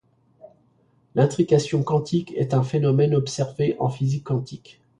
L'intrication quantique est un phénomène observé en physique quantique.